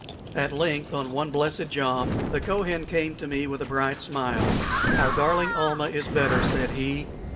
At length on one blessed jom, the Kohen came to me with a bright smile. "Our darling Almah is better," said he.